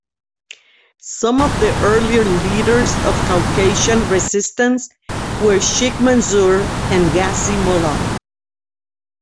Some of the earlier leaders of Caucasian resistance were Sheikh Mansur and Ghazi Mollah.